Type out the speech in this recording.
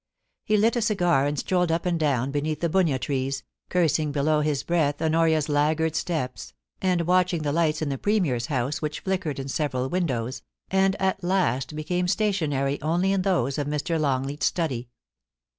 He lit a cigar and strolled up and down beneath the bunya trees, cursing below his breath Honoria's laggard steps, and watching the lights in the Premier's house which flickered in several windows, and at last became stationar>' only in those of Mr. Longleat's study.